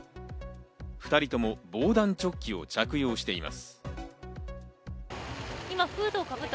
２人とも防弾チョッキを着用しています。